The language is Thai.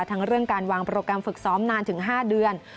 ทั้งเรื่องการวางโปรแกรมฝึกซ้อมนานถึง๕เดือน